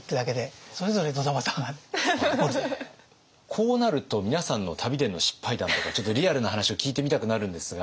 こうなると皆さんの旅での失敗談とかちょっとリアルな話を聞いてみたくなるんですが。